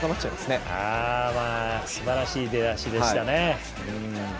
すばらしい出だしでしたね。